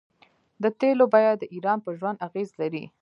د تیلو بیه د ایران په ژوند اغیز لري.